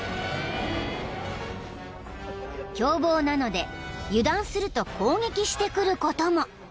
［凶暴なので油断すると攻撃してくることも］